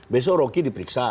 besok rocky diperiksa